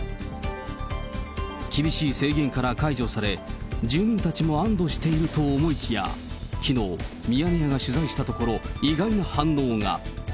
厳しい制限から解除され、住民たちも安どしていると思いきや、きのう、ミヤネ屋が取材したところ、意外な反応が。